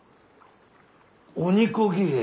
鬼子儀兵衛。